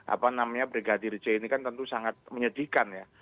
apa namanya brigadir j ini kan tentu sangat menyedihkan ya